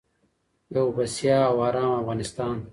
یو بسیا او ارام افغانستان.